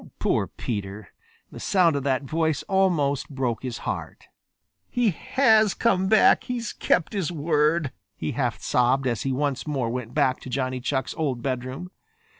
Poor Peter! The sound of that voice almost broke his heart. "He has come back. He's kept his word," he half sobbed as he once more went back to Johnny Chuck's old bedroom.